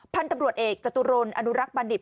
พันธุ์ตำรวจเอกจตุรนอนุรักษ์บัณฑิต